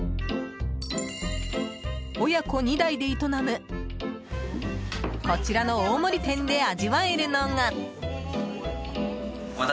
親子２代で営むこちらの大盛り店で味わえるのが。